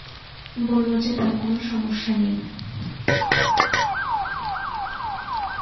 বললো যে তার কোন সমস্যা নেই।